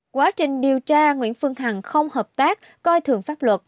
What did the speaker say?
quá trình điều tra nguyễn phương hằng không hợp tác coi thường pháp luật